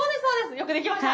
よくできました。